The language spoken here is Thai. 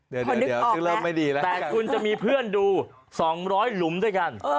เดี๋ยวแต่คุณจะมีเพื่อนดู๒๐๐หลุมด้วยกัน